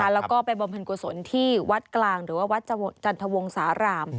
แล้วก็ไปบอมพันธุ์กุศลที่วัดกลางหรือวัดจันทวงสาราม